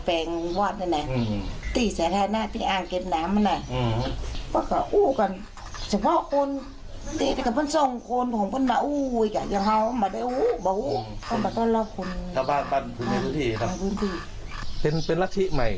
เป็นลักษณ์ที่ใหม่หรือเปล่า